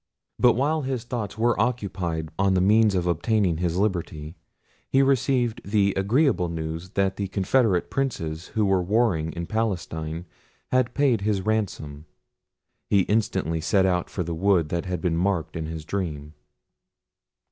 But while his thoughts were occupied on the means of obtaining his liberty, he received the agreeable news that the confederate Princes who were warring in Palestine had paid his ransom. He instantly set out for the wood that had been marked in his dream.